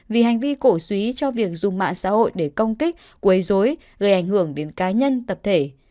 vì hành vi cổ suý cho việc dùng mạng xã hội để công kích quấy dối gây ảnh hưởng đến cá nhân tập thể